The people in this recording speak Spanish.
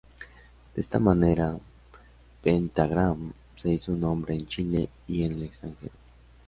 De esta manera, Pentagram se hizo un nombre en Chile y en el extranjero.